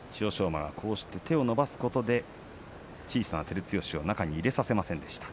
馬、手を伸ばすことで小さな照強を中に入れさせませんでした。